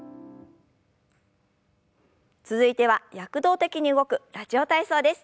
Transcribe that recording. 続いては躍動的に動く「ラジオ体操」です。